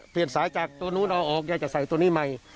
สายจากตัวนู้นเอาออกยายจะใส่ตัวนี้ใหม่